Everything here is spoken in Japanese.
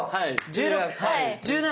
１６１７！